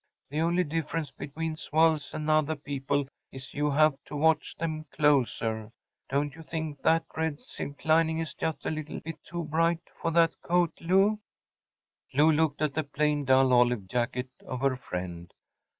The only difference between swells and other people is you have to watch ’em closer. Don’t you think that red silk lining is just a little bit too bright for that coat, Lou?‚ÄĚ Lou looked at the plain, dull olive jacket of her friend.